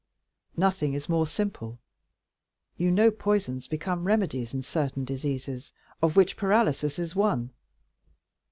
"Nothing is more simple. You know poisons become remedies in certain diseases, of which paralysis is one.